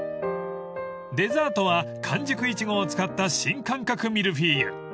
［デザートは完熟イチゴを使った新感覚ミルフィーユ］